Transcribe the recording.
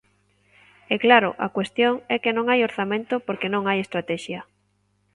E, claro, a cuestión é que non hai orzamento porque non hai estratexia.